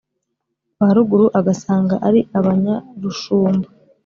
ba ruguru: agasanga ari abanyarushumba,